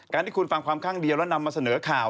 ที่คุณฟังความข้างเดียวแล้วนำมาเสนอข่าว